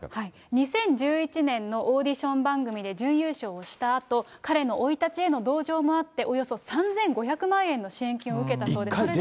２０１１年のオーディション番組で準優勝したあと、彼の生い立ちへの同情もあって、およそ３５００万円の支援金を受けたそうです。